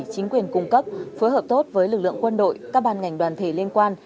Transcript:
chính quyền cung cấp phối hợp tốt với lực lượng quân đội các ban ngành đoàn thể liên quan